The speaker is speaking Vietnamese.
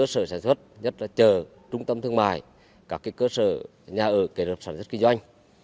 sản xuất nhất là chờ trung tâm thương mại các cơ sở nhà ở kể lập sản xuất kinh doanh